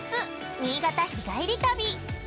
新潟日帰り旅！